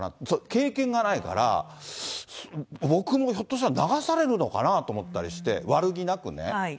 経験がないから、僕もひょっとしたら流されるのかなと思ったりして、悪気なくね。